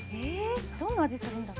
どんな味するんだろ？